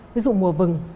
ví dụ mùa vừng